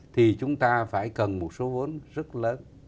thì chúng ta phải cần một số vốn rất lớn